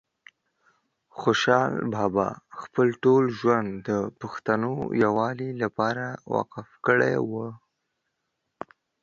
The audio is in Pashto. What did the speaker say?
خوشحال بابا خپل ټول ژوند د پښتنو د یووالي لپاره وقف کړی وه